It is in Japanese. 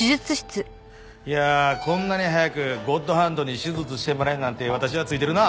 いやあこんなに早くゴッドハンドに手術してもらえるなんて私はついてるな！